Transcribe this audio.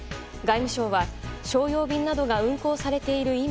外務省は商用便などが運航されている